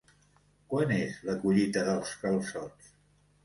Quan és la collita dels calçots?